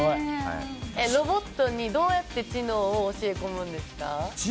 ロボットにどうやって知能を教え込むんですか？